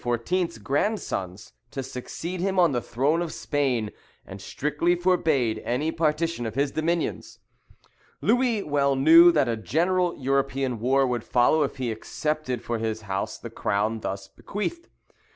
's grandsons, to succeed him on the throne of Spain, and strictly forbade any partition of his dominions. Louis well knew that a general European war would follow if he accepted for his house the crown thus bequeathed.